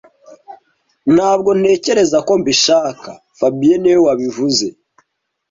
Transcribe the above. Ntabwo ntekereza ko mbishaka fabien niwe wabivuze